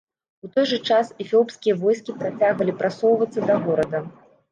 У той жа час, эфіопскія войскі працягвалі прасоўвацца да горада.